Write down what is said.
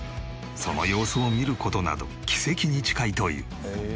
その様子を見る事など奇跡に近いという。